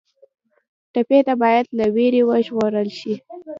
ټپي ته باید له وېرې وژغورل شي.